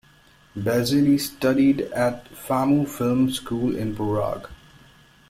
Bazelli studied at Famu Film School in Prague.